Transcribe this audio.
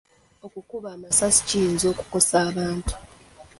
Okukuba amasasi kiyinza okukosa abantu.